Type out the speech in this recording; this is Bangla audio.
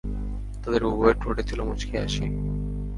তাদের উভয়ের ঠোঁটে ছিল মুচকি হাসি।